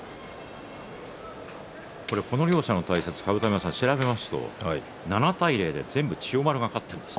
この両者の対戦、調べると７対０で全部、千代丸が勝っているんです。